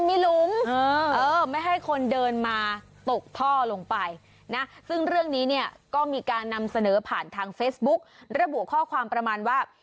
มีหลุมไม่ให้คนเดินมาตกท่อลงไปนะซึ่งเรื่องนี้เนี่ยก็มีการนำเสนอผ่านทางเฟซบุ๊กระบุข้อความประมาณว่า